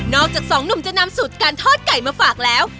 อกจากสองหนุ่มจะนำสูตรการทอดไก่มาฝากแล้ว